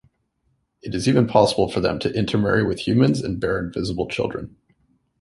It is even possible for them to intermarry with humans and bear invisible children.